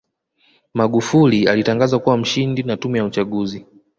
magufuli alitangazwa kuwa mshindi na tume ya uchaguzi